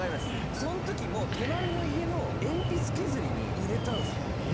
その時も隣の家の鉛筆削りに入れたんですよ。